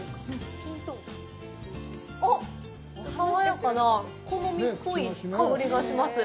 おっ、爽やかな木の実っぽい香りがします。